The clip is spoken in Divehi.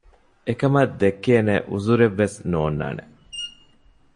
އެކަމަކަށް ދެއްކޭނޭ ޢުޛުރެއް ވެސް ނޯންނާނެ